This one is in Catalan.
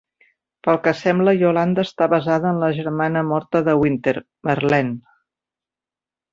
Pel que sembla, Yolande està basada en la germana morta de Wynter, Merlene.